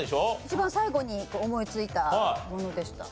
一番最後に思いついたものでした。